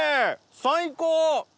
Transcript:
最高！